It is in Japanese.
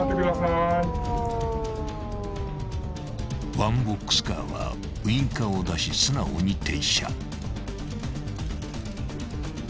［ワンボックスカーはウインカーを出し素直に停車］